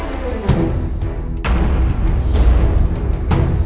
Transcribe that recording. sudah menunggu lama flowing